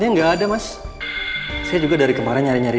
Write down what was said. enggak ada mas saya juga dari kemarin nyari nyari